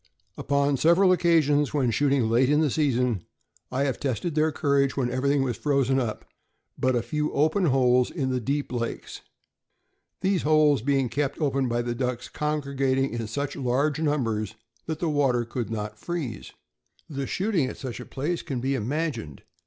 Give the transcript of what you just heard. Upon several occa sions, when shooting late in the season, I have tested their courage when everything was frozen up but a few open holes in deep lakes, these holes being kept open by the ducks congregating in such large numbers that the water could not freeze. The shooting at such a place can be imagined.